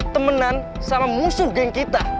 temenan sama musuh geng kita